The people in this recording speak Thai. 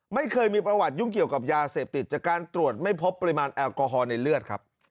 ไม่เคยมีประวัติยุ่งเกี่ยวกับยาเสพติดจากการตรวจไม่พบปริมาณแอลกอฮอล์ในเลือดครับ